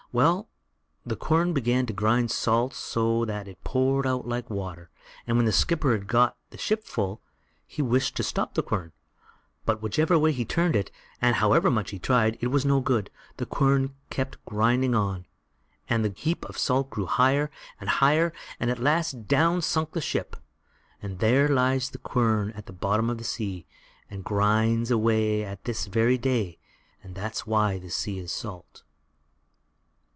Well, the quern began to grind salt so that it poured out like water; and when the skipper had got the ship full, he wished to stop the quern, but whichever way he turned it, and however much he tried, it was no good; the quern kept grinding on, and the heap of salt grew higher and higher, and at last down sunk the ship. There lies the quern at the bottom of the sea, and grinds away at this very day, and that's why the sea is salt.